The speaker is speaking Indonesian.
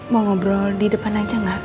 mau ngobrol di depan aja nggak